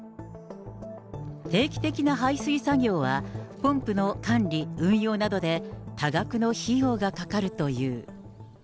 定期的な排水作業は、ポンプの管理、運用などで、多額の費用がかかるという。